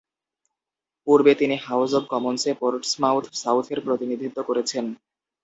পূর্বে তিনি House of কমন্সে পোর্টসমাউথ সাউথের প্রতিনিধিত্ব করেছেন।